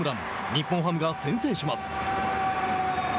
日本ハムが先制します。